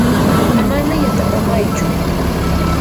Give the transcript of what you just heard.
amana yatapamaychu.